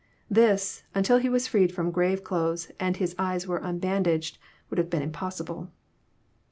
This, until he was freed Arom grave clothes and his eyes were unbandaged, would have been impossible.